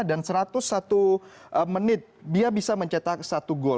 dan satu ratus satu menit dia bisa mencetak satu gol